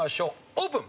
オープン！